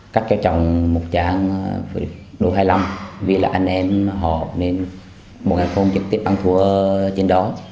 cắt cho chồng một trang độ hai mươi năm vì là anh em họ nên một ngày không trực tiếp ăn thua trên đó